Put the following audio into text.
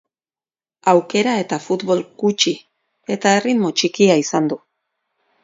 Aukera eta futbol gutxi, eta erritmo txikia izan du.